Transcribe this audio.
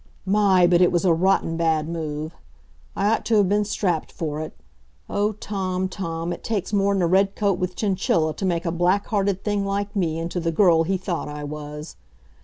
My, but it was a rotten bad move! I ought to have been strapped for it. Oh, Tom, Tom, it takes more'n a red coat with chinchilla to make a black hearted thing like me into the girl he thought I was.